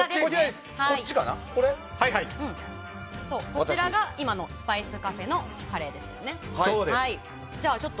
こちらがスパイスカフェのカレーですね。